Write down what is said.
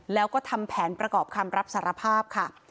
แล้วก็ทำแผนประกอบคำรับสารภาพค่ะ